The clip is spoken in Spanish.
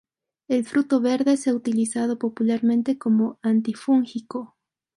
El fruto verde se ha utilizado popularmente como antifúngico.